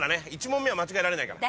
１問目は間違えられないから。